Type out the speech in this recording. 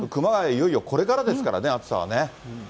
いよいよこれからですからね、暑さはね。